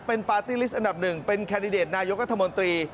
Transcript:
เป็นปาร์ตี้ลิสต์อันดับหนึ่งเป็นแคนดิเดตนายกรัฐมนตรี